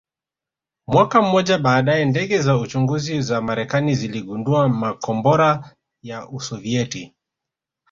Mwaka mmoja baadae ndege za uchunguzi za Marekani ziligundua makombora ya Usovieti